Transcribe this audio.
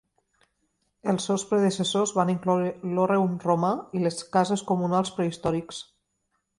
Els seus predecessors van incloure l'horreum romà i les cases comunals prehistòrics.